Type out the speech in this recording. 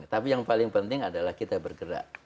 tapi yang paling penting adalah kita bergerak